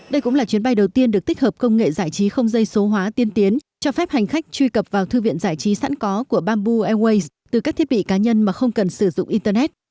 đây cũng là chuyến bay đầu tiên được tích hợp công nghệ giải trí không dây số hóa tiên tiến cho phép hành khách truy cập vào thư viện giải trí sẵn có của bamboo airways từ các thiết bị cá nhân mà không cần sử dụng internet